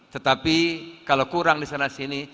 tetapi kalau kurang di sana sini